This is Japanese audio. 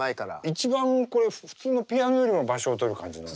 一番これ普通のピアノよりも場所を取る感じなの？